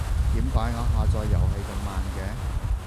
點解我下載遊戲咁慢嘅？